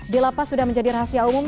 di lapas sudah menjadi rahasia umum